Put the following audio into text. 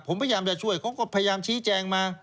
ผมพยายามจะช่วยเขาก็พยายามชี้แจงมา